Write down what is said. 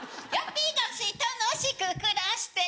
ぴがし楽しく暮らしてる！